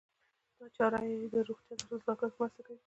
دا چاره يې د روغتیا ترلاسه کولو کې مرسته کوي.